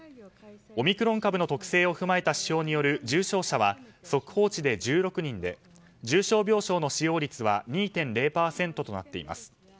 オミクロン株の特性を踏まえた指標による重症者は速報値で１６人で重症病床の使用率は２．０％となっています。